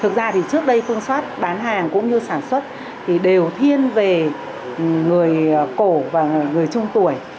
cũng như sản xuất thì đều thiên về người cổ và người trung tuổi